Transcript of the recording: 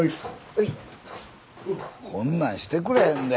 こんなんしてくれへんで。